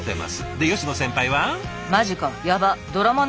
で吉野先輩は？